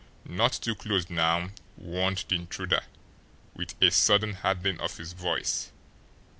"Not too close, now," warned the intruder, with a sudden hardening of his voice.